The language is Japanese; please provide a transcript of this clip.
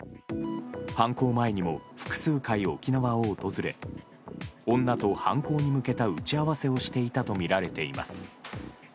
犯行前にも複数回、沖縄を訪れ女と犯行に向けた打ち合わせをしていたとみられています。